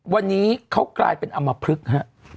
วันนี้เขากลายเป็นอำมพลึกฮะ